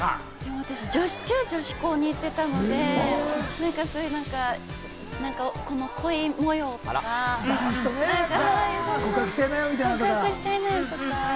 私、女子中、女子高に行ってたんで、この恋模様とか、告白しちゃいなよ！とか。